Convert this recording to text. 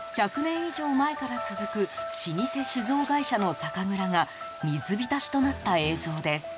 以上前から続く老舗酒造会社の酒蔵が水浸しとなった映像です。